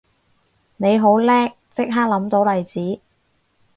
你好叻即刻諗到例子